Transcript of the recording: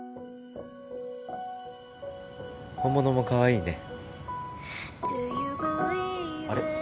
本物もかわいいねあれ？